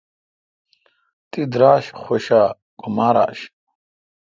تی دراش خوش آں کہ ماراش؟